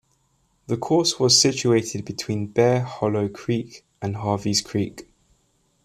The course was situated between Bear Hollow Creek and Harveys Creek.